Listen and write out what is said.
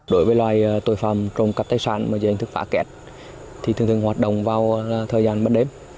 đối với loài tội phạm trụ cắp tài sản mà dành thức phá kết thì thường thường hoạt động vào thời gian mất đếm